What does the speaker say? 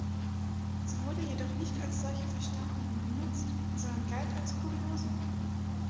Sie wurde jedoch nicht als solche verstanden und genutzt, sondern galt als Kuriosum.